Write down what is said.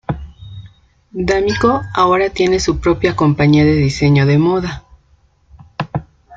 D'Amico ahora tiene su propia compañía de diseño de moda.